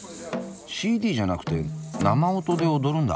ＣＤじゃなくて生音で踊るんだ。